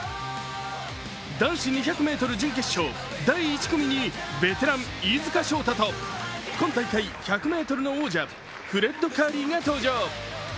男子２００ｍ準決勝第１組にベテラン・飯塚翔太と今大会１００ｍの王者、フレッド・カーリーが登場。